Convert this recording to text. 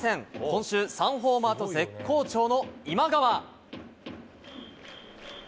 今週、３ホーマーと絶好調の今川。